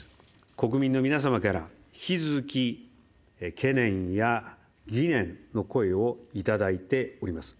国民の皆様から引き続き懸念や疑念の声をいただいております。